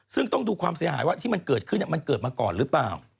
ซึ่งต้องดูความเสียหายว่าที่มันเกิดขึ้นมันเกิดมาก่อนหรือเปล่า